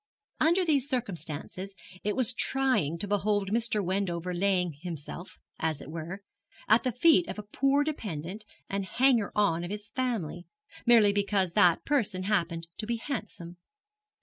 Under these circumstances it was trying to behold Mr. Wendover laying himself, as it were, at the feet of a poor dependent and hanger on of his family, merely because that young person happened to be handsome.